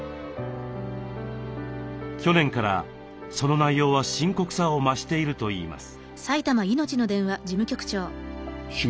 去年からその内容は深刻さを増しているといいます。